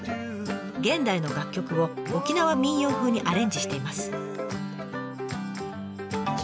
現代の楽曲を沖縄民謡風にアレンジしています。